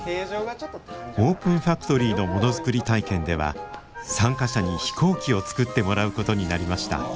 オープンファクトリーのものづくり体験では参加者に飛行機を作ってもらうことになりました。